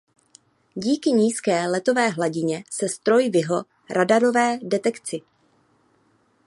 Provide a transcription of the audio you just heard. Díky nízké letové hladině se stroj vyhl radarové detekci.